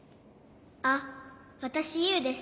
あっわたしユウです。